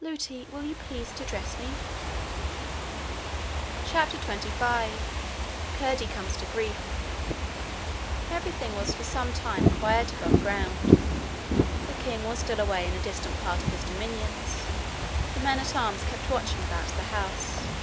Lootie, will you please to dress me.' CHAPTER 25 Curdie Comes to Grief Everything was for some time quiet above ground. The king was still away in a distant part of his dominions. The men at arms kept watching about the house.